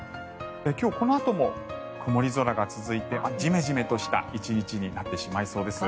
今日、このあとも曇り空が続いてジメジメとした１日になってしまいそうです。